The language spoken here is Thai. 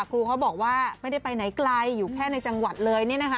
ครูเขาบอกว่าไม่ได้ไปไหนไกลอยู่แค่ในจังหวัดเลย